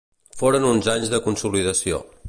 Foren uns anys de consolidació.